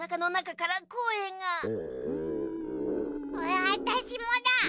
わたしもだ。